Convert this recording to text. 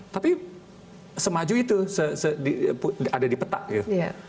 tapi semaju itu ada di peta gitu